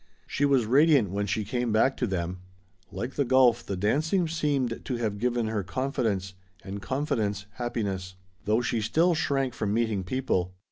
She was radiant when she came back to them. Like the golf, the dancing seemed to have given her confidence and confidence, happiness. Though she still shrank from meeting people.